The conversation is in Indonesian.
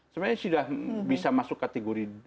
sebenarnya sudah bisa masuk kategori